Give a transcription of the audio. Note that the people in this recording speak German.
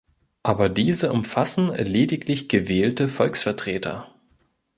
Aber diese umfassen lediglich gewählte Volksvertreter.